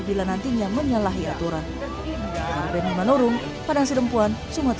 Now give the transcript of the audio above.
bila nantinya menyalahi aturan